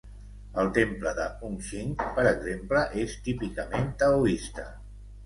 El temple de Hung Shing, per exemple, és típicament taoista.